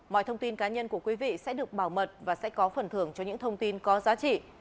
mọi thông tin cá nhân của quý vị sẽ được bảo mật và sẽ có phần thưởng cho những thông tin có giá trị